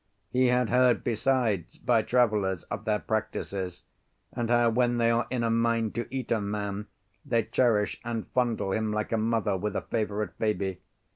He had heard besides, by travellers, of their practices, and how when they are in a mind to eat a man, they cherish and fondle him like a mother with a favourite baby.